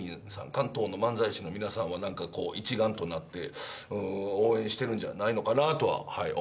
関東の漫才師の皆さんは一丸となって応援してるんじゃないのかな